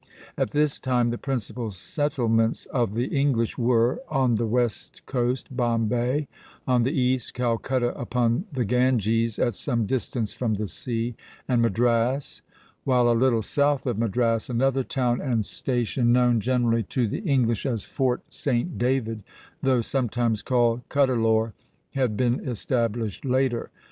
At this time the principal settlements of the English were, on the west coast, Bombay; on the east, Calcutta upon the Ganges, at some distance from the sea, and Madras; while a little south of Madras another town and station, known generally to the English as Fort St. David, though sometimes called Cuddalore, had been established later.